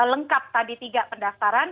lengkap tadi tiga pendaftaran